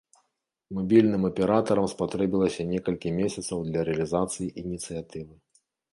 Мабільным аператарам спатрэбілася некалькі месяцаў для рэалізацыі ініцыятывы.